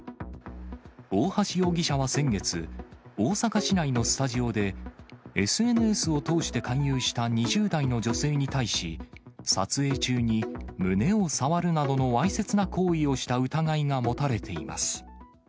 大橋容疑者は先月、大阪市内のスタジオで、ＳＮＳを通して勧誘した２０代の女性に対し、撮影中に胸を触るなどのわいせつな行為をした疑いが持たれています。